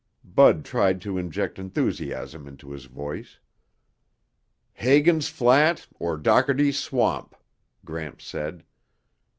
Bud tried to inject enthusiasm into his voice. "Hagen's Flat or Dockerty's Swamp," Gramps said.